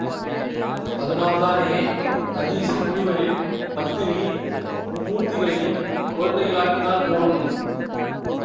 அதனால் தானே ததீசி முனிவரின் பத்தினி மும்மூர்த்திகளையும் குழந்தைகள் ஆக்கினார் போலும்.